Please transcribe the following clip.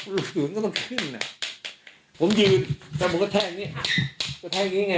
หลุมก็ต้องขึ้นอ่ะผมยืนสมมุติกระแทกนี้อ่ะกระแทกอย่างงี้ไง